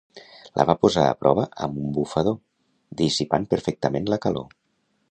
La va posar a prova amb un bufador, dissipant perfectament la calor.